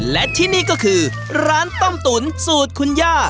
และที่นี่ก็คือร้านต้มตุ๋นสูตรคุณย่า